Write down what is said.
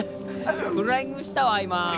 フライングしたわ今。